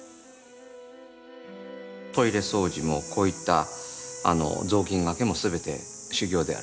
トイレ掃除もこういった雑巾がけもすべて修行であると。